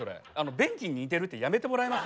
「便器に似てる」ってやめてもらえます？